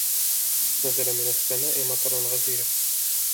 نَزَلَ مِنَ السَّمَاءِ مَطَرٌ غزيرٌ.